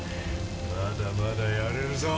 まだまだやれるぞ！